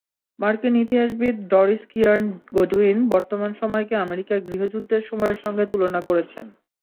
মার্কিন ইতিহাসবিদ ডরিস কিয়ার্ন গুডুইন বর্তমান সময়কে আমেরিকার গৃহযুদ্ধের সময়ের সঙ্গে তুলনা করেছেন।